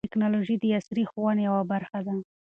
ټیکنالوژي د عصري ښوونې یوه برخه ده.